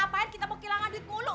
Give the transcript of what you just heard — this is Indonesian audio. ngapain kita mau kehilangan duit mulu